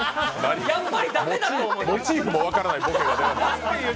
モチーフも分からないボケで。